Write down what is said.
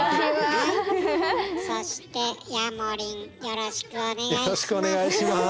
そしてヤモリンよろしくお願いします。